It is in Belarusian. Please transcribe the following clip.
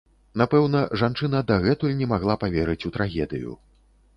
Напэўна, жанчына дагэтуль не магла паверыць у трагедыю.